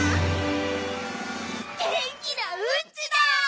げんきなうんちだ！